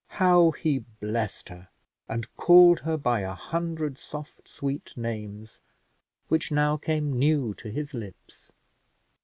How he blessed her, and called her by a hundred soft sweet names which now came new to his lips!